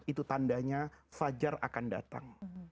itu tandanya fajar akan datang